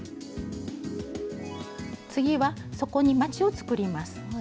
次は底にまちを作ります。